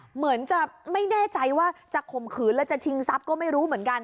เหมือนจะไม่แน่ใจว่าจะข่มขืนแล้วจะชิงทรัพย์ก็ไม่รู้เหมือนกัน